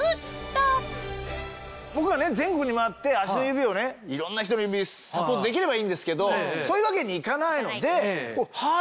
全国に回って足の指をねいろんな人の指サポートできればいいんですけどそういうわけにはいかないので。